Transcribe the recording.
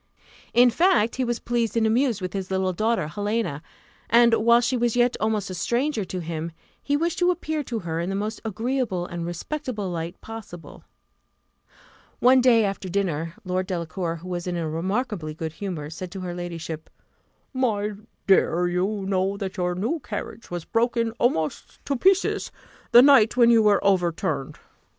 In fact, he was pleased and amused with his little daughter, Helena; and whilst she was yet almost a stranger to him, he wished to appear to her in the most agreeable and respectable light possible. One day after dinner, Lord Delacour, who was in a remarkably good humour, said to her ladyship, "My dear, you know that your new carriage was broken almost to pieces the night when you were overturned.